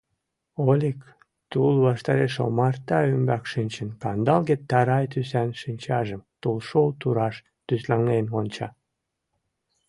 Олик, тул ваштареш омарта ӱмбак шинчын, кандалге тарай тӱсан шинчажым тулшол тураш тӱслаҥден онча.